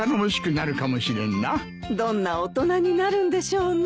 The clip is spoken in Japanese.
どんな大人になるんでしょうね。